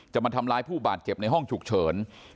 มาทำร้ายผู้บาดเจ็บในห้องฉุกเฉิน